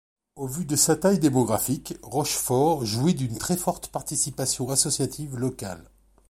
Au vu de sa taille démographique, Rochefort jouit d'une très forte participation associative locale.